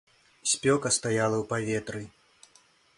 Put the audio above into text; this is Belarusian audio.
Спёка стаяла ў паветры.